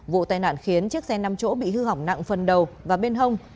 vụ tai nạn khiến chiếc xe năm chỗ bị hư hỏng nặng phần đầu và bên hông